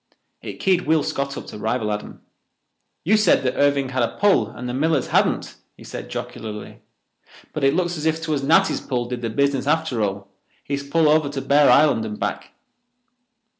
It keyed Will Scott up to rival Adam. "You said that Irving had a pull and the Millers hadn't," he said jocularly. "But it looks as if 'twas Natty's pull did the business after all—his pull over to Bear Island and back."